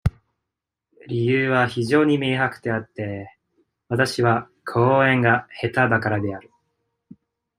理由は非常に明白であって、私は講演が下手だからである。